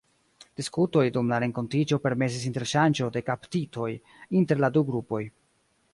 Diskutoj dum la renkontiĝo permesis interŝanĝon de kaptitoj inter la du grupoj.